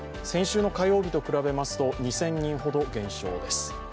先週の火曜日と比べますと２０００人ほど減少です。